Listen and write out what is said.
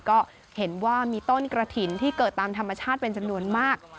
ก็เห็นว่ามีต้นกระถิ่นที่เกิดตามธรรมชาติเป็นจำนวนมาก